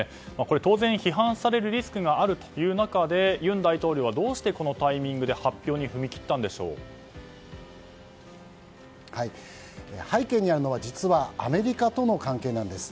当然、批判されるリスクがあるという中で尹大統領はどうしてこのタイミングで背景にあるのは、実はアメリカとの関係なんです。